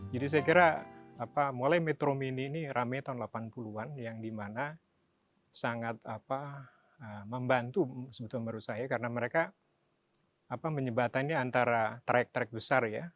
jadi saya kira mulai metro mini ini rame tahun delapan puluh an yang dimana sangat membantu sebetulnya merusaknya karena mereka menyebatannya antara traik traik besar ya